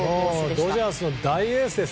ドジャースの大エースです